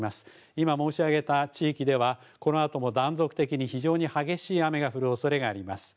今申し上げた地域では、このあとも断続的に非常に激しい雨が降るおそれがあります。